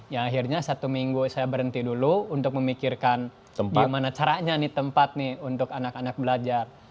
ya akhirnya satu minggu saya berhenti dulu untuk memikirkan gimana caranya nih tempat nih untuk anak anak belajar